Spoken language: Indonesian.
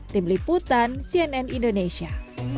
tim liputan cnn indonesia